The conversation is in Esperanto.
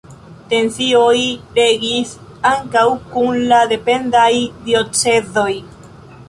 Tensioj regis ankaŭ kun la dependaj diocezoj.